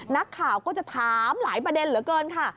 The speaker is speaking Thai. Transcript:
นักข่าวก็จะถามหลายประเด็นเหลือเกินค่ะ